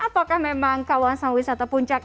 apakah memang kawasan wisata puncak